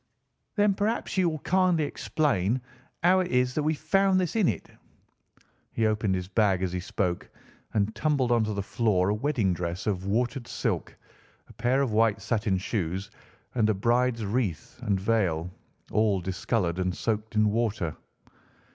"Then perhaps you will kindly explain how it is that we found this in it?" He opened his bag as he spoke, and tumbled onto the floor a wedding dress of watered silk, a pair of white satin shoes and a bride's wreath and veil, all discoloured and soaked in water.